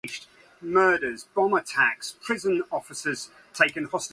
Thor then stops the first Vogon attack, and apparently dies.